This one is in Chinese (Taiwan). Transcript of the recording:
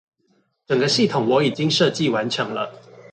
整個系統我已經設計完成了